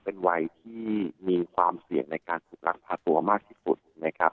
เป็นวัยที่มีความเสี่ยงในการถูกลักพาตัวมากที่สุดนะครับ